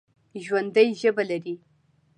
ژوندي ژبه لري